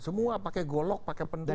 semua pakai golok pakai pendingin